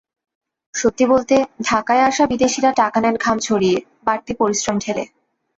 সত্যি বলতে, ঢাকায় আসা বিদেশিরা টাকা নেন ঘাম ঝরিয়ে, বাড়তি পরিশ্রম ঢেলে।